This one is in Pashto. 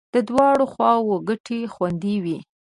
د دواړو خواو ګټې خوندي وې.